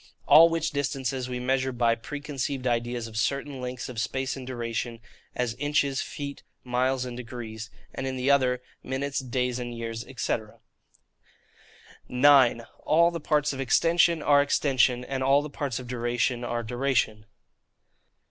All which distances we measure by preconceived ideas of certain lengths of space and duration,—as inches, feet, miles, and degrees, and in the other, minutes, days, and years, &c. 9. All the Parts of Extension are Extension, and all the Parts of Duration are Duration.